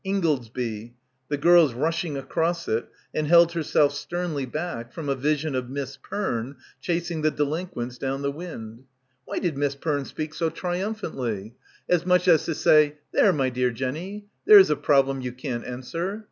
Ingoldsby— the girls rushing across it, and held herself sternly back from a vision of Miss Perne chasing the delinquents down the wind. Why did Miss Perne speak so trium phantly? As much as to say There, my dear — 101 — PILGRIMAGE Jenny, there's a problem you can't answer.